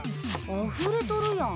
あふれとるやん。